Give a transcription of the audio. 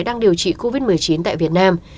đang điều trị covid một mươi chín tại việt nam